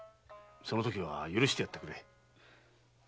そのときは許してやってくれ。